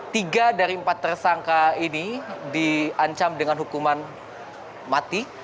tiga dari empat tersangka ini diancam dengan hukuman mati